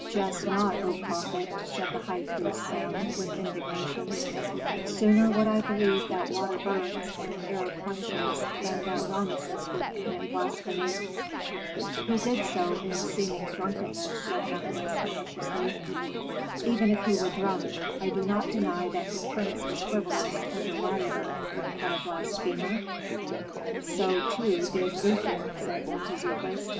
"Jest not, O prophet," said the high priest Sem, with indignation. "Sooner would I believe that water burns and air quenches than that Rameses would commit blasphemy." "He did so in seeming drunkenness," said Mefres, maliciously. "Even if he were drunk I do not deny that the prince is frivolous, and a rioter; but a blasphemer " "So, too, did we think," said Mentezufis.